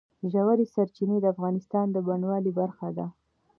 ژورې سرچینې د افغانستان د بڼوالۍ برخه ده.